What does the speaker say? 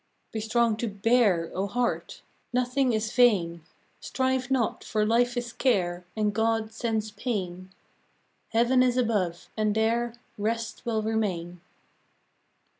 Be strong to bear, O Heart! Nothing is vain; Strive not, for life is care, And God sends pain ; Heaven is above, and there Rest will remain!